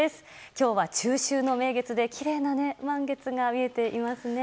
今日は中秋の名月できれいな満月が見えていますね。